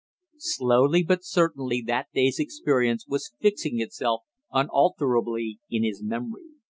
Slowly but certainly that day's experience was fixing itself unalterably in his memory.